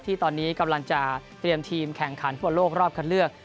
ที่ตอนนี้กำลังจะเตรียมทีมแข่งขันฟุตบอลโลกรอบคันเลือก